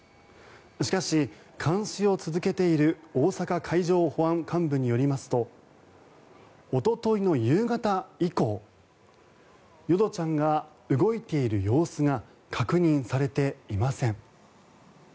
しかし、監視を続けている大阪海上保安監部によりますとおとといの夕方以降淀ちゃんが動いている様子が確認されていません。